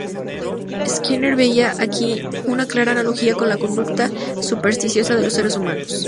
Skinner veía aquí una clara analogía con la conducta supersticiosa de los seres humanos.